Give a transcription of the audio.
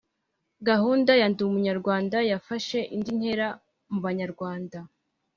Gahunda ya ndumunyarwanda yafashe indi ntera mu banyarwanda